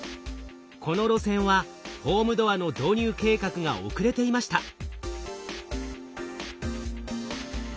この路線はホームドアの導入計画が遅れていました。